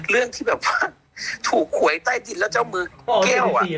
เรื่องที่ถูกหวยใต้จินแล้วเจ้ามือเกี่ยวอะ